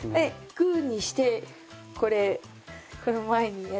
グーにしてこれこの前にやって。